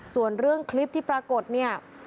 ส่วนเรื่องคลิปที่ปรากฏเนี่ย